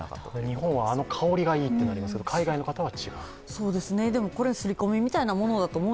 日本はあの香りがいいというのがありますけど、海外の方は違う。